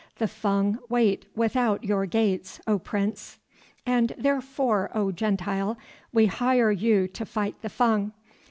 The Fung wait without your gates, O Prince." "And therefore, O Gentile, we hire you to fight the Fung.